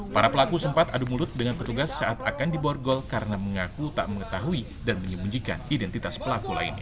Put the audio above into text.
para pelaku sempat adu mulut dengan petugas saat akan diborgol karena mengaku tak mengetahui dan menyembunyikan identitas pelaku lainnya